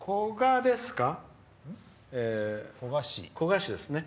古河市ですか。